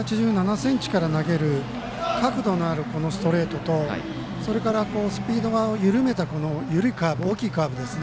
盛田君は１８７ｃｍから投げる角度のあるストレートとそれからスピードを緩めた大きいカーブ